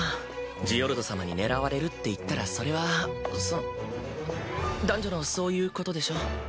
ジオルド様に狙われるって言ったらそれはその男女のそういうことでしょ。